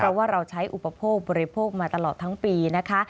เพราะว่าเราใช้อุปโภคบริโภคมาตลอดทั้งปีนะคะ